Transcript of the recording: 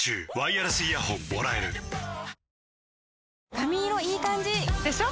髪色いい感じ！でしょ？